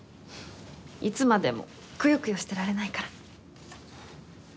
いつまでもくよくよしてられないから。